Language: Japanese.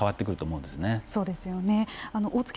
そうですね